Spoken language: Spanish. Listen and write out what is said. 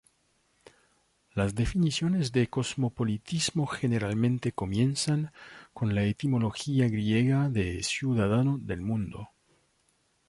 Las definiciones de cosmopolitismo generalmente comienzan con la etimología griega de "ciudadano del mundo".